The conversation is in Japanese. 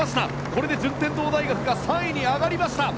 これで順天堂大学が３位に上がりました。